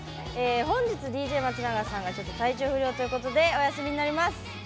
本日、ＤＪ松永さんは体調不良ということでお休みになります。